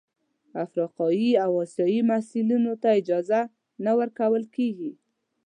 افریقايي او اسیايي محصلینو ته اجازه نه ورکول کیږي.